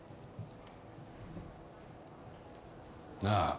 なあ？